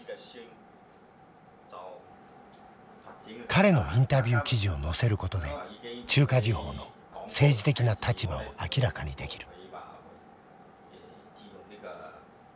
彼のインタビュー記事を載せることで中華時報の政治的な立場を明らかにできる。